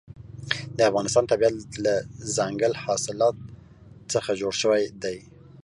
د افغانستان طبیعت له دځنګل حاصلات څخه جوړ شوی دی.